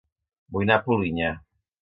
Vull anar a Polinyà